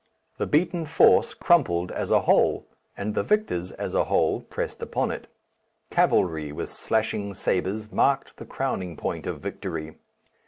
The beaten force crumpled as a whole, and the victors as a whole pressed upon it. Cavalry with slashing sabres marked the crowning point of victory.